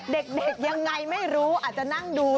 เด็กยังไงไม่รู้อาจจะนั่งดู